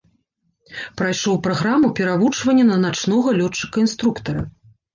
Прайшоў праграму перавучвання на начнога лётчыка-інструктара.